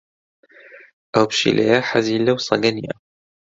ئەو پشیلەیە حەزی لەو سەگە نییە.